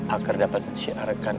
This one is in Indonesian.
agar dapat menciarkan